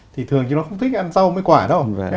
thì thường chứ nó không thích ăn sâu mấy quả đâu